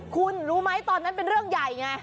คุณรู้ไหมตอนนั้นเป็นเรื่องใหญ่ไง